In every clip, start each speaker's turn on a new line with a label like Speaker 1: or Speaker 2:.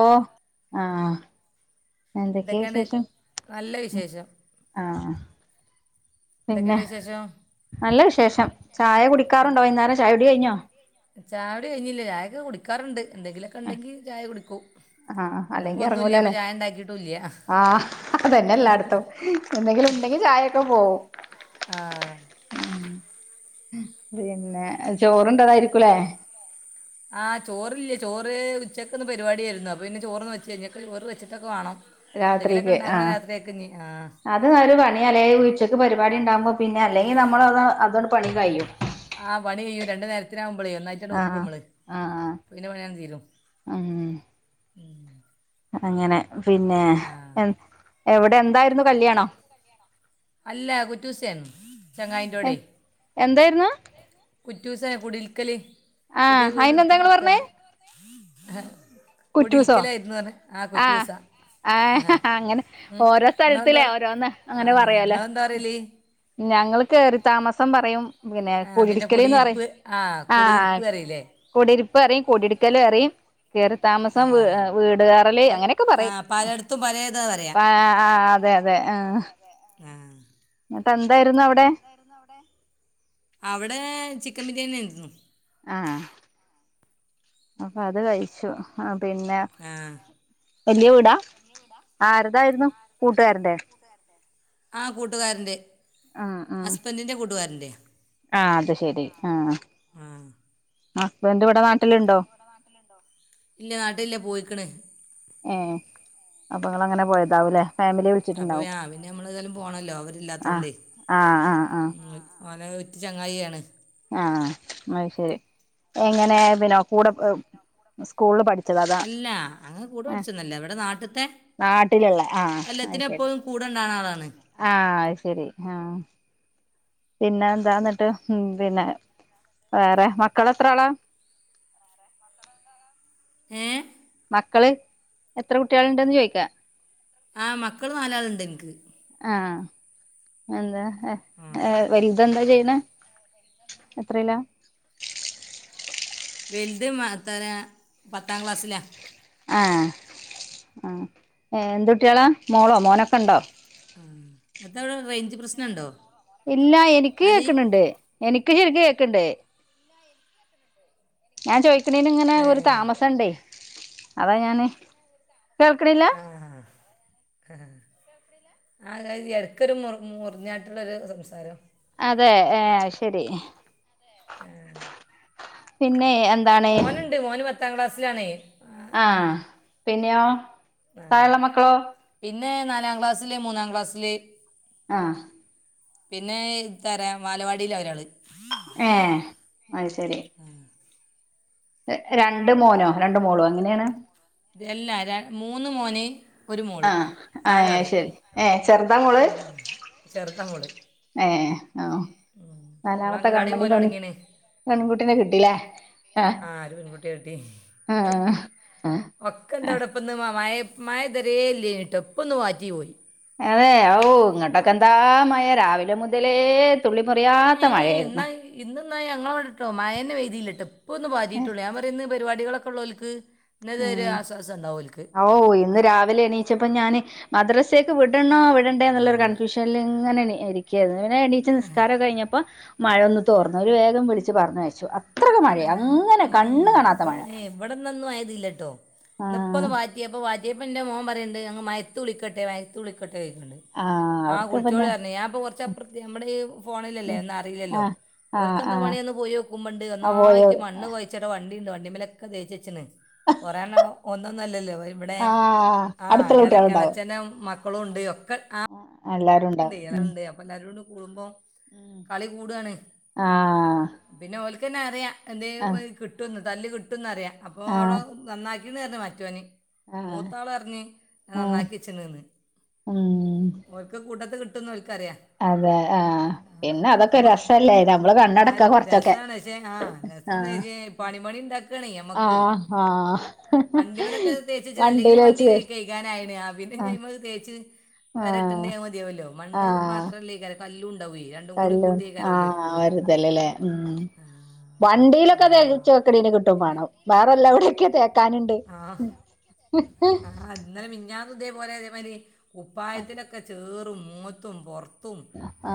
Speaker 1: ഓ ആഹ് എന്തൊക്കെയാ
Speaker 2: എന്തൊക്കെയുണ്ട്
Speaker 1: വിശേഷം
Speaker 2: നല്ല
Speaker 1: ഉം
Speaker 2: വിശേഷം
Speaker 1: ആഹ്. പിന്നെ
Speaker 2: എന്തൊക്കെയുണ്ട് വിശേഷം
Speaker 1: നല്ല വിശേഷം ചായ കുടിക്കാറുണ്ടോ വൈന്നേരം ചായ കുടി കഴിഞ്ഞോ?
Speaker 2: ചായകുടി കഴിഞ്ഞില്ല ചായയൊക്കെ കുടിക്കാറുണ്ട് എന്തെങ്കിലു ഒക്കെ ഉണ്ടെങ്കി ചായ കുടിക്കും.
Speaker 1: ആഹ്
Speaker 2: ഇന്നിപ്പോൾ
Speaker 1: അല്ലെങ്കി എർങ്ങൂല
Speaker 2: ഒന്നുമില്ല അപ്പോൾ
Speaker 1: ലേ
Speaker 2: ചായ ഉണ്ടാക്കിയിട്ടുമില്ല
Speaker 1: ആഹ് അതന്നെല്ലാട്ത്തും. എന്തെങ്കിലും ഉണ്ടെങ്കി ചായയൊക്കെ പോവും
Speaker 2: ആഹ്
Speaker 1: ഉം പിന്നെ ചോറുണ്ടതായിരിക്കൂലേ
Speaker 2: ആഹ് ചോറ്ല്ല ചോറ് ഉച്ചക്ക്ന്ന് പരിപാടിയേര്ന്നു അപ്പ പിന്നെ ചോറൊന്നു വെച്ച്ല ഞ്ഞക്ക ചോറ് വെച്ച്ട്ടൊക്കെ വാണം. എന്തെങ്കിലൊക്കെ
Speaker 1: രാത്രിക്ക്
Speaker 2: ഉണ്ടാക്കണം
Speaker 1: ആഹ്
Speaker 2: രാത്രിയേക്കിനി ആ
Speaker 1: അത് ന്നരു പണിയാലേ ഉച്ചക്ക് പരിപാടിണ്ടാവുമ്പ പിന്നെ അല്ലെങ്കി നമ്മളത അതണ്ട് പണി കയ്യും.
Speaker 2: ആ പണി കഴിയും രണ്ട് നേരത്തിനാവുമ്പളേ ഒന്നായിട്ടങ്ങ് വെക്കും
Speaker 1: ആഹ്
Speaker 2: നമ്മള്
Speaker 1: ആഹ്
Speaker 2: പിന്നെ വേഗം തീരും
Speaker 1: ഉം.
Speaker 2: ഉം.
Speaker 1: അങ്ങനെ പിന്നെ എ എവിടെ എന്തായിരുന്നു കല്യാണം?
Speaker 2: അല്ല കുറ്റൂസൻ ചങ്ങായിന്റവിടെ
Speaker 1: എന്തായിരുന്നു
Speaker 2: കുറ്റൂസെ കുടിൽക്കല് പുതിയ
Speaker 1: ആഹ്
Speaker 2: വീട്
Speaker 1: അയിനെന്താ
Speaker 2: ടുത്ത്
Speaker 1: ഇങ്ങള്
Speaker 2: പാർത്ത
Speaker 1: പറഞ്ഞേ
Speaker 2: ഹെ.
Speaker 1: കുറ്റൂസോ
Speaker 2: കുടിൽക്കലായിര്ന്നു അർഞ് ആഹ് കുറ്റൂസാ.
Speaker 1: ആഹ് അങ്ങനെ ഓരോ
Speaker 2: നിങ്ങളെന്താ
Speaker 1: സ്ഥൽത്ത്ലേ ഓരോന്ന്
Speaker 2: ആ
Speaker 1: അങ്ങനെ പറയാലെ.
Speaker 2: നിങ്ങളെന്താ പറയല്
Speaker 1: ഞങ്ങൾ കേറി താമസം പറയും. പിന്നെ
Speaker 2: ആ പിന്നെ
Speaker 1: കുളിരിക്കല്ന്ന് പറയും
Speaker 2: കുടിയിരിപ്പ്
Speaker 1: ആ
Speaker 2: കുടിയിരിപ്പ് അറിയില്ലേ
Speaker 1: കുടിര്പ്പ് അറിം കുടിട്ക്കല് അറി കേറ്-
Speaker 2: ആ
Speaker 1: താമസം വ് വീടുകേറല്
Speaker 2: അത്
Speaker 1: അങ്ങനെക്കെ
Speaker 2: ആ
Speaker 1: പറയും
Speaker 2: പലയിടത്തും പലതാ പറയാ
Speaker 1: ആ- ആ അതെ. അതെ ആഹ്
Speaker 2: ആ
Speaker 1: എന്നിട്ട് എന്തായിരുന്നു
Speaker 2: അപ്പ
Speaker 1: അവിടെ
Speaker 2: എന്തായിരുന്നു അവിടെ അവിടേ ചിക്കം ബിരിയാണിയാര്ന്നു.
Speaker 1: ആഹ് അപ്പൊ അത് കഴിച്ചു ആ പിന്നെ
Speaker 2: ആ
Speaker 1: വലിയ വിടാ ആരുടെയായിരുന്നു കൂട്ടുകാരന്റെ
Speaker 2: ആ കൂട്ടുകാരന്റെ
Speaker 1: ആ ആ ആ അത് ശെരി ആ ഹസ്ബെന്റ് ഇവിടെ നാ
Speaker 2: ഇടെ നാട്ടിലുണ്ടോ ഇല്ല്യ നാട്ടില്ല പോയിക്കണ്.
Speaker 1: ഏ അപ്പൊങ്ങളങ്ങനെ പോയതാവൂലേ.
Speaker 2: അപ്പൊ പിന്നെ നമ്മള്താലും പോണല്ലോ
Speaker 1: ആഹ്
Speaker 2: അവരില്ലാത്തോണ്ടെ
Speaker 1: ആഹ് ആഹ് ആഹ്
Speaker 2: ഓന്റെ ഉറ്റ ചങ്ങായിയാണ്.
Speaker 1: ആഹ് അയ്‌ ശരി എങ്ങനെ പിന്നെ കൂടെ സ്കൂൾ പഠിചത അത
Speaker 2: അല്ല അങ്ങകൂടെ പഠിചൊന്നല്ല വടെ നാട്ട്ത്തെ
Speaker 1: നാട്ടിലുള്ള ആഹ് അത്
Speaker 2: എല്ലാത്തിനു
Speaker 1: ശരി
Speaker 2: എപ്പഴു കൂടെണ്ടാവുണളാണ്.
Speaker 1: ആഹ്, അഹ് ശരി ആഹ്. പിന്നെ എന്താന്നട്ട് പിന്നെ വേറെ മക്കൾ എത്ര ആളാ
Speaker 2: മക്കളെത്രെലാ ഏഹ്
Speaker 1: മക്കള് എത്ര കുട്ട്യോൾണ്ടെന്ന് ചോയ്ക്കാ.
Speaker 2: ആ മക്കള് നാലാള്ണ്ട്ൻക്ക.
Speaker 1: ആ എന്താ?
Speaker 2: ആ
Speaker 1: വൽതെന്താ ചെയ്യ്ണെ എത്രേലാ?
Speaker 2: വെൽത് മഹ് ത്തര പത്താ ക്ലാസ്സിലാ.
Speaker 1: ആ ആ എന്തുട്ടിളാ മോളോ മോനൊക്കെണ്ടോ?
Speaker 2: ആ എത്താവിടെ റയ്ഞ്ച് പ്രശ്നംണ്ടോ?
Speaker 1: ഇല്ല എനിക്ക്‌ കേക്ക്‌ണ് ണ്ട് എനിക്ക് ശരിക്ക്‌ കേക്ക്ണ്ട്. ഞാൻ ചോയിക്കണേന്ങ്ങനെ
Speaker 2: ഏ
Speaker 1: ഒരു താമസംണ്ടേ അതാ ഞാന് കേൾക്ക്ണില്ല
Speaker 2: ആഹ് ആ ഹ അകയിഞ്ഞ് ഇടക്കൊരു മു മുറിഞ്ഞാട്ടൊള്ളൊരു സംസാരം.
Speaker 1: അതെ ഏ അയ് ശരി
Speaker 2: ഏ ഹേ.
Speaker 1: പിന്നേ [unintelligible]
Speaker 2: മോനുണ്ട് മോന് പത്താം ക്ലാസ്സിലാണേയ്.
Speaker 1: ആഹ് പിന്നെയോ
Speaker 2: അ
Speaker 1: താഴെള്ള മക്കളോ
Speaker 2: പിന്നെ നാലാ ക്ലാസ്സില് മൂന്നാം ക്ലാസ്സില്.
Speaker 1: ആഹ്
Speaker 2: പിന്നെ ഇത്തറ വാലവാടിലാ ഒരാള്
Speaker 1: ഏഹ് അയ്‌ ശരി
Speaker 2: ആഹ്
Speaker 1: രണ്ട് മോനോ രണ്ട് മോളോ എങ്ങനെണ്?
Speaker 2: രല്ലാ ര മൂന്ന് മോന് ഒരു മോള്
Speaker 1: ആഹ ആ
Speaker 2: നാലാള്
Speaker 1: ശരി ഏഹേ ചെറുതാമോള്.
Speaker 2: ചെറുതാമോള്.
Speaker 1: ഏ ഹൊ
Speaker 2: മോള്
Speaker 1: നാലാമത്തെ
Speaker 2: അങ്കലാടി
Speaker 1: കൺമണി
Speaker 2: പോലെ
Speaker 1: പെ
Speaker 2: തുടങ്ങിയാണ്
Speaker 1: പെൺകുട്ടിനെ കിട്ടിലേ.
Speaker 2: ആ ര് പെൺകുട്ടിയാ ടി.
Speaker 1: ആഹ്
Speaker 2: ഒക്കെ എന്തവ്ടെപ്പന്ന് മ മഴ മഴത് വരെല്ലിയ് നെട്ടൊ. പ്പൊന്ന് വാറ്റിവോയി.
Speaker 1: അതെ ഔ ഇങ്ങോട്ടൊക്കെന്താ മയ രാവിലെ മുതലെ
Speaker 2: ഏ ന്നാ ഇന്ന്ന്ന ഞങ്ങളവിടെട്ടോ മഴന്നെ പെയ്ദില്ല ട്ടോ പ്പൊന്ന് പാറ്റീട്ടൊള്ളു ഞ ട്ട് ന്ന് പരിപാടികളൊക്കെള്ളൂൽക്ക്
Speaker 1: ഉം ഔ ഇന്ന് രാവിലെ എണീ ച്ചപ്പോ ഞാന് മദ്രാസേക്ക് വിടണോ വിടണ്ടെന്നുള്ളൊരു കൺഫ്യൂഷനിൽ ഇങ്ങനെ കെന്നു എണച്ചു നിസ്കാരം കഴിഞ്ഞപ്പോ മഴയൊന്ന് തോർന്നു ഒരു വേഗം വിളിച്ച് പറഞ്ഞയച്ചു. അത്രക്ക് മഴയ അങ്ങനെ കണ്ണ് കാണാത്ത മഴ.
Speaker 2: വടന്നൊന്നും മഴ പെയിതില്ലട്ടോ? ഇന്ന് ഇപ്പം ഒന്ന്
Speaker 1: ആഹ്
Speaker 2: മാറ്റിയപ്പോ മാറ്റിയപ്പം ഇന്റെ മോൻ പറീണ്ട് ഞങ്ങൾ മയത്ത് കുളിക്കട്ടെ മയത്ത് കുളിക്കട്ടെ
Speaker 1: ആഹ്
Speaker 2: ആ
Speaker 1: അവർക്ക്
Speaker 2: കുൾച്ചോളി
Speaker 1: പിന്നെ
Speaker 2: പർഞ്ഞ് ഞാൻപ്പൊ കൊറച്ചപ്പർത് നമ്മടെ ഈ ഫോണിലല്ലേ
Speaker 1: ഉം
Speaker 2: ഒന്ന് അറിയിലല്ലോ
Speaker 1: ആഹ്
Speaker 2: ഓൽക്ക്
Speaker 1: ആഹ്
Speaker 2: എന്താ
Speaker 1: ആഹ്
Speaker 2: പണിഎന്ന് പോയി നോക്കുമ്പണ്ട്
Speaker 1: ആ പോയോ
Speaker 2: ഒന്നായിട്ട് മണ്ണ് കോയ വണ്ടിണ്ട് വണ്ടിമലോക്കെ തോച്ചച്ണ് കോറോ എണ്ണം ഒന്നൊന്നല്ലല്ലോ. ഇവടെ
Speaker 1: ആഹ്
Speaker 2: ആ
Speaker 1: അടുത്തുള്ള
Speaker 2: എള എളച്ചന്റെ മക്കളും ഇണ്ട്. ഒക്കെ ആ
Speaker 1: അല്ല
Speaker 2: ണ്ട് ഉണ്ട് അപ്പൊ എല്ലാരും കൂടി കൂടുമ്പോ കളി കൂടാണ്.
Speaker 1: ആഹ്
Speaker 2: പിന്നെ ഓൽക്കന്നെ അറിയാ എന്തേ
Speaker 1: ആഹ്
Speaker 2: കിട്ടുംന്ന് തല്ല് കിട്ടുന്നഅറിയ. അപ്പോ അവ്ടെ
Speaker 1: ആഹ്
Speaker 2: നന്നാ [unintelligible] മറ്റോന്.
Speaker 1: ആഹ്
Speaker 2: മൂത്താള് പർഞ്ഞ് ഞാൻ
Speaker 1: ആഹ്
Speaker 2: നന്നാക്കിച്ണ് ന്ന്
Speaker 1: ഉം
Speaker 2: ഓൽക്ക് കൂട്ടത്ത് കിട്ടുന്ന് ഓൽക്കറിയാ
Speaker 1: അതെ ആഹ് പിന്നെ അതൊക്കെ ഒര് രസല്ലേ നമ്മള് കണ്ണടക്കാ കൊർച്ചൊക്കെ.
Speaker 2: പണിപണി ഇണ്ടാക്കാണേ ഞമ്മക്ക്.
Speaker 1: ആഹ് ആഹ്
Speaker 2: വണ്ടിമലോക്കെ തേച്ച്ച്ച അല്ലെങ്കിലേ
Speaker 1: വണ്ടില്
Speaker 2: വണ്ടി.
Speaker 1: വെച്ച്
Speaker 2: കഴികാനായിന് ആ പിന്നെഞ
Speaker 1: ആഹ്
Speaker 2: അയിമെ തേച്ച്.
Speaker 1: ആഹ്
Speaker 2: വരട്ട്ന്റെ അവ് മതിയാവല്ലോ മണ്ണ്
Speaker 1: ആഹ്
Speaker 2: മാത്രല്ലയ്‌ക്കാരം കല്ലും ഇണ്ടാവൊയ്
Speaker 1: കല്ലും ആഹ് ഒര്തല് ലെ ഉം
Speaker 2: ആ
Speaker 1: വണ്ടിയിലൊക്കെ
Speaker 2: ആ
Speaker 1: തേച്ചക്ക്ണെന് കിട്ടും
Speaker 2: പിന്നെ
Speaker 1: വാണം വേറെല്ലവ്ടെക്കെ തേക്കാന്.
Speaker 2: ആ
Speaker 1: [inaudible]
Speaker 2: ആ ഇന്നലെ മിഞ്ഞാന്നു ഇതേപോലെ ഇതൊ മാതിരി കുപ്പായത്തിലോക്കെ ചെറും, മോത്തും പോർ ത്തും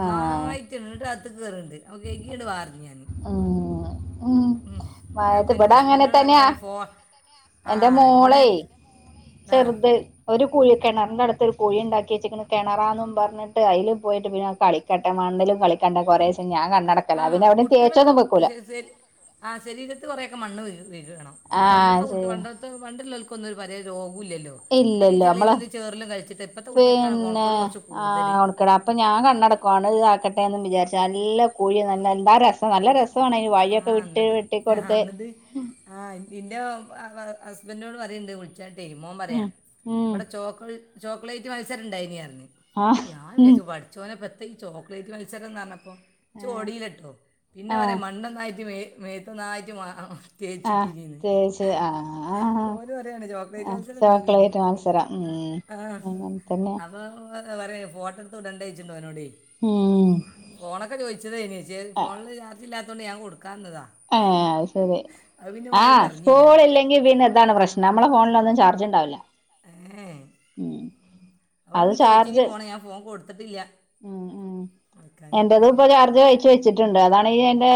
Speaker 1: ആഹ്
Speaker 2: എന്നിട്ട് അകത്ത്ക് കെറ്ണ്ട് അപ്പൊ കെയികി ങ്ങട്ട് വാ പർഞ് ഞാന്.
Speaker 1: ഉം
Speaker 2: ഉം അപ്പൊ
Speaker 1: മഴയത്ത്
Speaker 2: എന്റെ
Speaker 1: ഇവിടെ അങ്ങനെ
Speaker 2: ഹസ്ബൻഡിനോട് പർഞ്ഞപോ
Speaker 1: തന്നെയാ
Speaker 2: പറയാ ഫോ
Speaker 1: എന്റെ
Speaker 2: ആഹ് ഇവടെ
Speaker 1: മോളേ
Speaker 2: ആഹ്
Speaker 1: ചെറുത് ഒരു കുഴി കിണർന്റെട്ത്ത് ഒരു കുഴി ഇണ്ടാക്കി വെച്ചിക്ണ് കിണറാന്നും. പർഞ്ഞിട്ട് അഴില് പോയിട്ട് പിന്നെ കളി കെട്ട മണ്ണിലും കളിക്കണ്ട കുറെ ദിവസം ഞാൻ
Speaker 2: ആ
Speaker 1: കണ്ണടക്കല പിന്നെ എവടിം തോച്
Speaker 2: കുട്ടികളൊക്കെ
Speaker 1: ഒന്നും വെക്കൂല.
Speaker 2: ശ- ശരി ആ ശരീരത്തി കുറെക്കെ മണ്ണ് വീയണം.
Speaker 1: ആ
Speaker 2: പണ്ടത്തെ കുട്ടി
Speaker 1: ശരി
Speaker 2: ത്ത് പണ്ട്ള്ളോൽക്കൊന്നും പലോ രോഗു ഇല്ലല്ലോ. അതൊക്കെ ഈ
Speaker 1: ഇല്ലല്ലോ നമ്മള്
Speaker 2: ചളിയിലും ചേർലും കളിച്ചിട്ട് ഇപ്പത്തെ കുട്ടിയെക്കാണ്.
Speaker 1: പിന്നെ
Speaker 2: കോണക്കോട് കൊർച്ച്
Speaker 1: ആ
Speaker 2: കൂടുതല്.
Speaker 1: ഉണക്കട അപ്പൊ ഞാൻ കണ്ണടക്കും അണ് ആക്കട്ടെ ന്നും വിചാരിച്ച് നല്ല കുഴി നല്ല എന്താ രസം നല്ല രസാണ്. വഴിയൊക്കെ വിട്ട് വെട്ടികോടുത്ത്.
Speaker 2: ആ ഇന്റെ ഹസ്ബൻഡിനോട് പറയണ്ട് മോൻ പറയാ
Speaker 1: ഉം ഉം
Speaker 2: ഇവടെ ചോക്ലേ ചോക്ലേറ്റ് മത്സരം ഇണ്ടായിന് പർഞ്ഞ്.
Speaker 1: ആ
Speaker 2: ഞാൻ
Speaker 1: ഉം
Speaker 2: വിചാര്ച്ചു പട്ച്ചോനെ പ്പത്ത ഈ ചോക്ലേറ്റ് മത്സരംന്ന് പർഞ്ഞപ്പം ഇച്ചോടിലട്ടോ പിന്നെ
Speaker 1: ആ
Speaker 2: പറയാ മണ്ണന്നായിട്ട് മേത്ത് മേത്തൊന്നായിട്ട്.
Speaker 1: ആ
Speaker 2: തേച്ചിട്ടിനീന്ന്
Speaker 1: തോച്ച് ആ ആ
Speaker 2: ഓന് പറയാണ് ചോക്ലേറ്റ്
Speaker 1: ആ
Speaker 2: മത്സരം ഉണ്ടായിനീന്ന്
Speaker 1: ചോക്ലേറ്റ് മത്സരം ഉം. അങ്ങൻ തന്നെ
Speaker 2: [unintelligible] ഫോട്ടം ഇട്ത്ത് വിടണ്ടെഴിച്ചിണ്ട് ഓനോട്.
Speaker 1: ഉം
Speaker 2: ഫോണൊക്കെ ചോദിച്ചത് എനി പക്ഷെ ഫോണില് ചാർജ് ഇല്ലാത്തൊണ്ട് ഞാൻ കൊടുക്കാതന്നതാ.
Speaker 1: ഏഹ് അയ്‌ ശരി ആ
Speaker 2: പറഞ്ഞില്ല അവിടെ
Speaker 1: സ്കൂള്ല്ലങ്കി പിന്നെന്താണ് പ്രശ്നം മ്മള ഫോണിലൊന്നും ചർജ്ണ്ടാവില്ല.
Speaker 2: എ ഇ
Speaker 1: അത്
Speaker 2: വടെന്ന് ചോയിച്ചിന്
Speaker 1: ചാർജ്
Speaker 2: ഫോണ് ഞാൻ ഫോൺ കൊടുത്തിട്ടില്ല.
Speaker 1: ഉം ഉം
Speaker 2: കൊടുക്കാൻ
Speaker 1: എന്റേത് ഇപ്പൊ ചാർജ് കഴി വെച്ചിട്ടുണ്ട് അതാണ് ഈ എന്റെ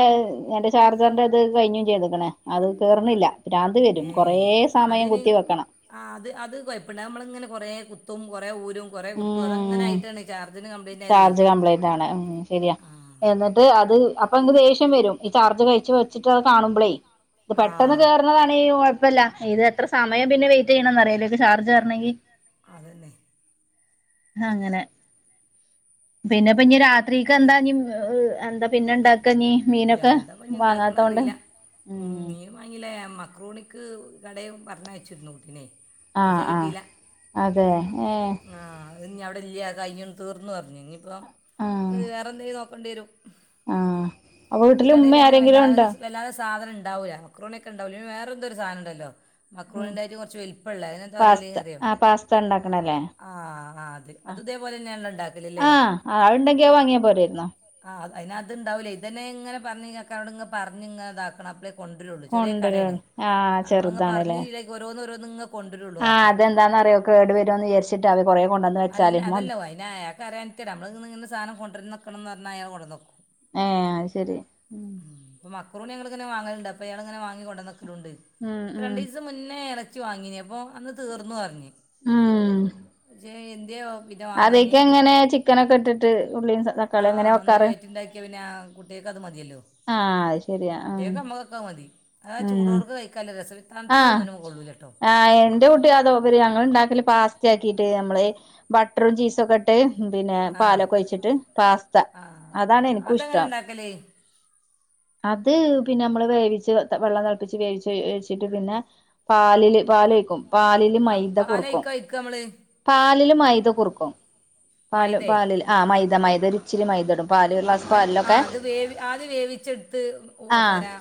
Speaker 1: എന്റെ ചാർജർന്റെത് കഴിഞ്ഞും ചെയ്ത്ക്ക്ണ് അത്. കേർന്നില്ല ഭ്രാന്ത് വരും
Speaker 2: ഏ
Speaker 1: കുറെ സമയം
Speaker 2: അതിന്
Speaker 1: കുത്തി വെക്കണം.
Speaker 2: ആ അത് അത് കുഴപ്പണ്ട് നമ്മള് ഇങ്ങനെ കൊറേ കുത്തും കൊറെ ഊരും. കുറെ കുത്തും അത് അങ്ങനെ
Speaker 1: ഉം
Speaker 2: ആയിട്ടാണ് ചാർജർന് കംപ്ലയിന്റ് ആയത്.
Speaker 1: ചാർജ് കംപ്ലൈന്റ് ആണ് ഉം ശരിയാ എന്നിട്ട് അത് അപ്പൊ ങ് ദോഷ്യം വരും ഈ ചാർജറ് കഴിച്ച് വെച്ചിട്ട് അത് കാണുമ്പളേ. ഇത് പെട്ടെന്ന്
Speaker 2: ആ
Speaker 1: കേറുന്നതാണെങ്കി കുഴപ്പല്ല ഇത് എത്ര സമയം പിന്നെ വെയിറ്റ് ചെയ്യണം അറിയൊ ഇതിലേക്ക് ചാർജ് കെറണകി.
Speaker 2: അതെന്ന.
Speaker 1: അങ്ങനെ പിന്നെപ്പഞ്ഞ് രാത്രീക്ക് എന്താ ഇഞ്ഞ് [unintelligible] എന്താ പിന്നെണ്ടാ ഒക്കെഞ് മീനൊക്കെ വാങ്ങാത്തോണ്ട് ഉം
Speaker 2: മീൻ വാങ്ങില്ലേ മക്രോണിക്ക് കടേ പറഞ്ഞയച്ചിരുന്നു കുട്ടിനെ. പക്ഷേ
Speaker 1: ആഹ് ആഹ്
Speaker 2: കിട്ടിയില്ല
Speaker 1: അതെ ഏഹ്
Speaker 2: ആഹ് അത് ഇഞ്ഞ് അവടെ ഇല്യ കഴിഞ്ഞ്തീർന്നുറഞ്ഞു ഇഞ്ഞ്ഇപ്പൊ
Speaker 1: ആഹ്
Speaker 2: വേറെ എന്തേലും നോക്കണ്ടേരും
Speaker 1: ആഹ് അപ്പൊ
Speaker 2: ഈ
Speaker 1: വീട്ടില്
Speaker 2: കടേല്
Speaker 1: ഉമ്മ
Speaker 2: അങ്ങനെ
Speaker 1: ആരെങ്കിലും
Speaker 2: വെല്ലാതെ
Speaker 1: ഉണ്ടോ
Speaker 2: സ് വെല്ലാതെ സാധനം ഇണ്ടാവൂല മക്രൂണിയെക്കെ ഇണ്ടാവൂല വേറെന്തോ ഒരു സാധനംണ്ടല്ലോ
Speaker 1: ഉം
Speaker 2: മക്രോണിന്റെെറ്റും കൊറച്ച് വെല് പ്പെള്ളെ അതിനെന്താ പറയല്
Speaker 1: പാസ്ത
Speaker 2: അറിയോ
Speaker 1: ആഹ് പാസ്ത ഇണ്ടാക്കണല്ലേ
Speaker 2: പാസ്തപാസ്തല്ലേ ആഹ് ആഹ് അത്
Speaker 1: ആ
Speaker 2: അത് ഇതേപോലെന്നേണ്ലോ ഇണ്ടാക്കല് ലേ ആഹ്
Speaker 1: അതുണ്ടെങ്കി അത് വാങ്ങിയാ
Speaker 2: അത്ണ്ടെങ്കിഅത്
Speaker 1: പോരായിരുന്നോ
Speaker 2: വാങ്ങിയാ ആ് അതിന് അത് ഇണ്ടാവൂ െല്ലയ് ഇതന്നെ ഇങ്ങനെ പറഞ്ഞ് കാക്കാനോട് ഇങ്ങനെ പറഞ്ഞ് ഇങ്ങനെതാക്കണം അ കൊണ്ടരൊള്ളൂ ചെറിയ കടയാണ്
Speaker 1: കൊണ്ടരുള്ളൂ ആഹ്
Speaker 2: നമ്മളിങ്ങനെ പറഞ്ഞ്
Speaker 1: ചെറുതാണല്ലേ
Speaker 2: ഓരോന്ന ഓരോ നിങ്ങ
Speaker 1: ആഹ് അതെന്താന്നറിയോ കേട് വരു ന്ന് വിചാരിച്ചിട്ടാ അവറ് കൊറെ കൊണ്ടുവന്ന.
Speaker 2: അല്ല അതല്ല അതിന് അയാൾക്കറിയാൻഞ്ഞിട്ട നമ്മള് ഇന്ന് ഇങ്ങനൊധനം കൊണ്ടുവന്ന് വെക്കണംന്ന് പറഞ്ഞാ അയാൾ കൊട്ന്നെക്കും.
Speaker 1: ആ അത് ശെരി ഉം
Speaker 2: മക്രോണി ഞങ്ങളിങ്ങ നെ വാങ്ങല്ണ്ട് അപ്പൊ ഇയാള് ഇങ്ങനെ വാങ്ങി കൊണ്ടെന്നക്കലുണ്ട്
Speaker 1: ഉം ഉം
Speaker 2: രണ്ട് ദിവസം മുന്നേ റ്റു വാങ്ങിനി അപ്പൊ അന്ന് തീർന്നു അറ്ഞ്ഞ്
Speaker 1: ആഹ്
Speaker 2: ജ്യേ എന്ത്യാ വോ വിത വാങ്ങാഞ്ഞ്
Speaker 1: എങ്ങനെ
Speaker 2: അത്ക്കെങ്ങനെ
Speaker 1: ചിക്കനൊക്കെ ഇട്ടിട്ട്
Speaker 2: ചിക്കനൊക്കെ
Speaker 1: ഉള്ളിയും
Speaker 2: ഇട്ട്ട്ട്
Speaker 1: തക്കാളി എങ്ങനെ
Speaker 2: ആഹ് ഒന്നായ്റ്റ്
Speaker 1: വെക്കാറ്
Speaker 2: വയറ്റിണ്ടാക്കിയേതന്നെ ആഹ് കുട്ടിയേക്ക് അത് മതിയല്ലോ
Speaker 1: ആഹ് അത് ശരിയാ ആഹ്
Speaker 2: കുട്ടിയേൾക്കും അമ്മക്കൊക്കെ അത് മതി ആഹ്
Speaker 1: ഉം
Speaker 2: ചൂടോട് കയിക്കാൻ ല്ല രസ്
Speaker 1: ആഹ് ആഹ് എന്റെ കുട്ടി അതോപരി ഞങ്ങൾ ഇണ്ടാക്കല് പാസ്തയാക്കിയിട്ട് അമ്മള് ബട്ട്റും ചീസും ഒക്കെ ഇട്ട് പിന്നെ
Speaker 2: ആ
Speaker 1: പാലൊക്കെ ഒഴിച്ചിട്ട് പാസ്ത
Speaker 2: ആ
Speaker 1: അതാണ്
Speaker 2: ആ
Speaker 1: എനിക്കും
Speaker 2: അതെങ്ങനെ
Speaker 1: ഇഷ്ടം.
Speaker 2: ഉണ്ടാക്കല്
Speaker 1: അത് പിന്നെ അമ്മള് വേവിച്ച് [unintelligible] വെള്ളം തെള്പ്പിച്ച് വേവിച്ച് [unintelligible] ഇട്ടിട്ട് പിന്നെ പാലില് പാലൊയ്ക്കും പാലില്
Speaker 2: ആ
Speaker 1: മൈദ കുറുക്കും
Speaker 2: പാലൊഴിക്കുക ഒഴിക്കുക നമ്മൾ
Speaker 1: പാലില് മൈദ കുറുക്കും പാല്
Speaker 2: മൈദേ
Speaker 1: പാലില് ആഹ് മൈദ മൈദേല് ച്ചിരി മൈദടും പാൽല്
Speaker 2: അത് അ ആ അത് വേവി ആദ്യം വേവിച്ചെടുത്ത് ഓ
Speaker 1: ആ
Speaker 2: തരാ.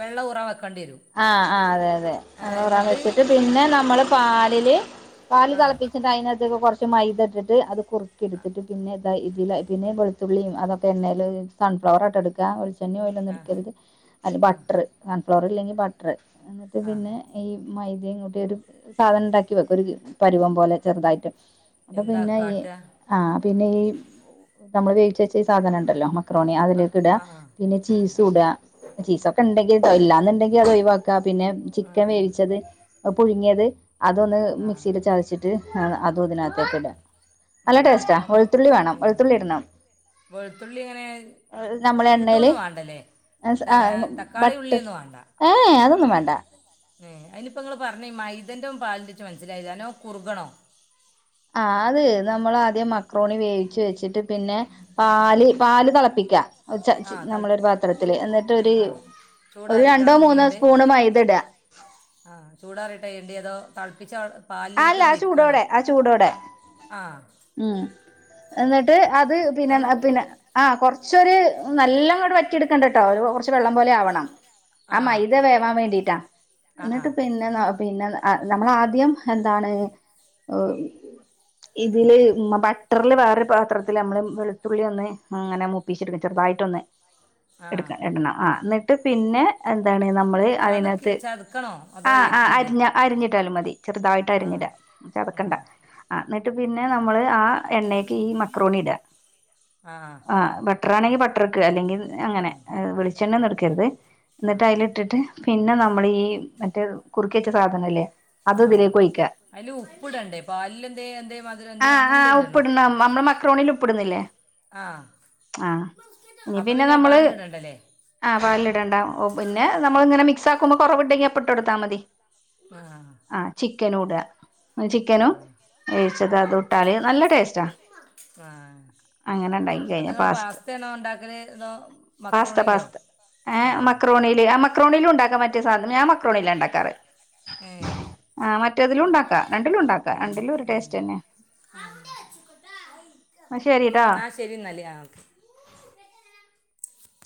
Speaker 2: വെള്ള ഊറാൻ വെക്കെണ്ടേരും
Speaker 1: ആഹ് ആഹ് അതെ അതെ വെള്ളം ഊറാൻ വെച്ചിട്ട് പിന്നെ നമ്മള് പാലില്. പാല്
Speaker 2: ആ
Speaker 1: തെളപ്പിച്ച്ട്ട് ഐനകത്ത്ക്ക് കൊറച് ച്ച് മൈദ ഇട്ട്ട്ട് അത് കുറുക്കിട്ത്ത്ട്ട് പിന്നെ ഇതാ ഇതിലാ പിന്നെ വെളുത്തുളളിം അതൊക്കെ എണ്ണേല് സൺഫ്ലവറാട്ട എടുക്ക. എണ്ണിം ഓയിലൊന്നും
Speaker 2: ആ
Speaker 1: ഇട്ക്കര്ത് അല്ലെ
Speaker 2: ആ
Speaker 1: ബട്ട്റ് സൺഫ്ലവറ് ഇല്ലെങ്കി ബട്ട്റ് എന്ന്ട്ട്
Speaker 2: ആ
Speaker 1: പിന്നെ ഈ മൈദയും കൂട്ടി ഒരു സാധനം ഇണ്ടാക്കി വെക്ക കൊരുകി പരുവം പോലെ ചെറ്തായിട്ട് അപ്പ
Speaker 2: എന്താ
Speaker 1: പിന്നെ ഈ
Speaker 2: കാട്ടുക
Speaker 1: ആഹ് പിന്നെ ഈ നമ്മള് വേവിച്ച വെച്ച ഈ സാധനം ണ്ടല്ലോ മക്രോ മക്രോണി
Speaker 2: ആ
Speaker 1: അതിലേക്കിടാ
Speaker 2: ആ ആ
Speaker 1: പിന്നെ
Speaker 2: ഉം.
Speaker 1: ചീസു ട ചീസൊക്കെ ഇണ്ടെങ്കിൽ ഇല്ലന്നുണ്ടെങ്കിൽ അതൊ പിന്നെ ചിക്കൻ വേവിച്ചത് അ പുഴുങ്ങിയത് അതൊന്ന്
Speaker 2: ആ ആ
Speaker 1: മിക്സിൽ ചതച്ചിട്ട്. അതും ഇതിനകത്തേക്ക ഇടാ നല്ല
Speaker 2: ആഹ്
Speaker 1: ടേസ്റ്റാ വെളുത്തുള്ളി വേണം വെളുത്തുള്ളി ഇടണം.
Speaker 2: വെള്ത്തുള്ളി എങ്ങനെ ഇതൊന്നും വാണ്ടല്ലേ
Speaker 1: എൻസ് ആഹ് ഉം ബട്ട് ഏഹ് അതൊന്നും വേണ്ട
Speaker 2: ങ്ങേ ഐല് പ്പങ്ങള് പർണ ഈ മൈദന്റെ ഉം പാല്ന്റിം ഇച്ച് മനസ്സിലായിലാ നല്ലോണം കുറ്കണോ
Speaker 1: ആഹ് അത് നമ്മള്ആദ്യം മക്രോണി വേവിച്ച് വെച്ച്ട്ട് പിന്നെ പാല് പാല് തിളപ്പിക്ക.
Speaker 2: ആഹ് തൾ
Speaker 1: നമ്മള് ഒരു പാത്രത്തില് എന്നിട്ട് ഒരു
Speaker 2: ആഹ്
Speaker 1: ഒരു രണ്ടോ
Speaker 2: ചൂടാറിയിട്ടാണോ
Speaker 1: മൂന്നോ
Speaker 2: ചെയ്യേണ്ടത്
Speaker 1: സ്പൂണ് മൈദ ഇട.
Speaker 2: ആഹ് ചൂടാറിട്ട ചെയ്യണ്ടി അതോ തളപ്പിച്ച
Speaker 1: ആഹ് അല്ല ആ ചൂടോടെ ആ ചൂടോടെ.
Speaker 2: ആഹ്
Speaker 1: ഉമ് എന്നിട്ട് അത് പിന്നെ പിന്നെ. ആഹ് കൊറച്ചൊര് നല്ലഇങ്ങട്ട് വറ്റിട്ക്കണ്ടട്ടോ ഒരു കൊറച് വെള്ളം പോലെ ആവണം ആ
Speaker 2: ആഹ്
Speaker 1: മൈദ വേവാൻ വേണ്ടിട്ടാ
Speaker 2: ആഹ്
Speaker 1: എന്നിട്ട്
Speaker 2: ആഹ്
Speaker 1: പ്പൻ പിന്നെ പിന്നെ നമ്മളാദ്യം എന്താണ് ഓ ഇതില് ബട്ടറില് വേറൊരു പാത്രത്തിൽ നമ്മള് വെളുത്തുള്ളി ഒന്ന് അങ്ങനെ മുക് പീച്ചെടുക്കണം ചെറുതായിട്ട് ഒന്ന്
Speaker 2: ആഹ്
Speaker 1: എടുക്ക ഇടണം ആ എന്നിട്ട് പിന്നെ എന്താണ് നമ്മള്
Speaker 2: ചതക്കി
Speaker 1: അതിനകത്ത്
Speaker 2: ചതക്കണോ അതോ
Speaker 1: ആഹ് ആഹ്
Speaker 2: എരിഞ്ഞിടേ
Speaker 1: അരിഞ്ഞ അരിഞ്ഞിട്ടാലും മതി. ചെറുതായിട്ട് അരിഞ്ഞിട
Speaker 2: ആഹ്
Speaker 1: ചതക്കണ്ട
Speaker 2: ആഹ്
Speaker 1: എന്നിട്ട് പിന്നെ നമ്മള് ആഹ് എണ്ണക്ക് ഈ മക്രോണി ഇടാ
Speaker 2: ആഹ്
Speaker 1: ആ ബട്ടറാണെങ്കിൽ ബട്ടർക്ക് അല്ലെങ്കിൽ അങ്ങനെ വെളിച്ചെണ്ണ ഒന്ന് എടുക്കരുത് എന്നിട്ട്
Speaker 2: ആഹ്
Speaker 1: അതിലിട്ടിട്ട് പിന്നെ നമ്മൾ ഈ മറ്റേ കുറുക്കി വെച്ച സാധനം ഇല്ലേ അത്
Speaker 2: ആ
Speaker 1: ഇതിലേക്ക് ഒഴിക്ക
Speaker 2: അതിൽ ഉപ്പിടണ്ടേ പാലിലെന്തേ എന്തേ മധുരം എന്തേ
Speaker 1: ആഹ്
Speaker 2: അങ്ങനെന്തേ
Speaker 1: ആഹ്‌
Speaker 2: ഇടണോ
Speaker 1: ഉപ്പിടണം നമ്മള് മക്രോണിൽ ഉ ഉപ്പിടുന്നില്ലേ
Speaker 2: ആഹ്
Speaker 1: ആ ഇനി
Speaker 2: അപ്പൊ പിന്നെ
Speaker 1: നമ്മള്
Speaker 2: പാലിൽ ഇടണ്ടല്ലേ
Speaker 1: ആ പാലിൽ ഇടണ്ട ഓ പിന്നെ നമ്മൾ ഇങ്ങനെ മിക്സ് ആക്കുമ്പോ കുറവുണ്ടെങ്കിൽ അപ്പം ഇട്ട് കൊടുത്താൽ മതി
Speaker 2: ആഹ്
Speaker 1: ആ ചിക്കനും ഇട ചിക്കനും വേവിച്ചത് അതും ഇട്ടാല് നല്ല ടേസ്റ്റാ
Speaker 2: ആഹ്
Speaker 1: അങ്ങനെ ഉണ്ടാക്കി
Speaker 2: അത്
Speaker 1: കഴിഞ്ഞ
Speaker 2: ങ്ങള്
Speaker 1: പാസ്ത
Speaker 2: പാസ്തണോ ഉണ്ടാക്കല് അതോ മക്രോണിലോ
Speaker 1: ഏഹ് മക്രോണിയിൽ ആഹ് മക്രോണിയിലും ഇണ്ടാക്ക മറ്റേ സാധനം ഞാൻ മക്രോണിൽ ഇണ്ടാക്കാറ്
Speaker 2: [inaudible]
Speaker 1: ആ മറ്റേതിലും ഉണ്ടാക്ക രണ്ടിലും ഉണ്ടാക്ക
Speaker 2: ഏ
Speaker 1: രണ്ടിലും ഒരു
Speaker 2: ഏ.
Speaker 1: ടേസ്റ്റ് തന്നെ
Speaker 2: [unintelligible]
Speaker 1: എന്നാ ശരിട്ടാ
Speaker 2: എന്നാ ശരി എന്നാൽ ആഹ്